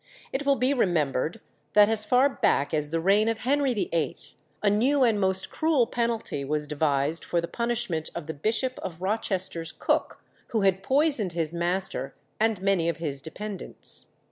It will be remembered that as far back as the reign of Henry VIII. a new and most cruel penalty was devised for the punishment of the Bishop of Rochester's cook, who had poisoned his master and many of his dependents.